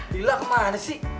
lila kemana sih